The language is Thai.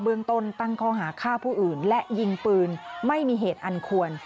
เมืองต้นตั้งข้อหาฆ่าผู้อื่นและยิงปืนไม่มีเหตุอันควร